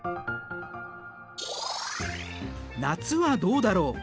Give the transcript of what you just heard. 夏はどうだろう。